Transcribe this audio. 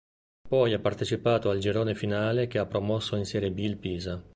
Poi ha partecipato al girone finale che ha promosso in Serie B il Pisa.